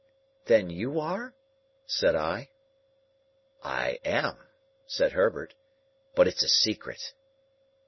"Then you are?" said I. "I am," said Herbert; "but it's a secret."